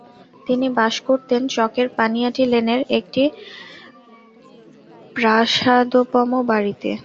তিনি বাস করতেন চকের পানিয়াটি লেনের একটি প্রাসাদোপম বাড়িতে।